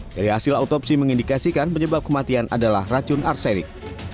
dari hasil autopsi mengindikasikan penyebab kematian adalah racun arsenik